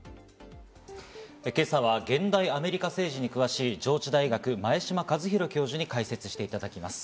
今朝は現代アメリカ政治に詳しい、上智大学・前嶋和弘教授に解説していただきます。